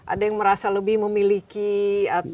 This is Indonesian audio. ada yang merasa lebih memungkinkan